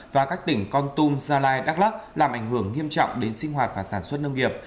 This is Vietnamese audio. và các tỉnh con tum gia lai đắk lắc làm ảnh hưởng nghiêm trọng đến sinh hoạt và sản xuất nông nghiệp